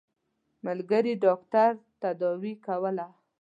ملګري ډاکټر تداوي کوله.